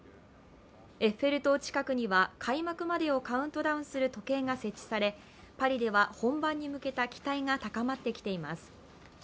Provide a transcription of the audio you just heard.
エッフェル塔近くには開幕までをカウントダウンする時計が設置されパリでは本番に向けた期待が高まってきています。